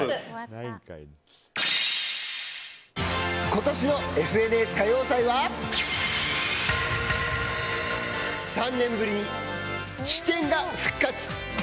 今年の「ＦＮＳ歌謡祭」は３年ぶりに飛天が復活！